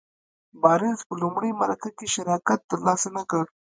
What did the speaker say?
بارنس په لومړۍ مرکه کې شراکت تر لاسه نه کړ.